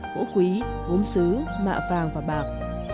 gỗ quý gốm xứ mạ vàng và bạc